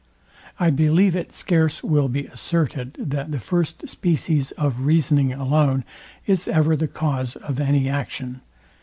I believe it scarce will be asserted, that the first species of reasoning alone is ever the cause of any action.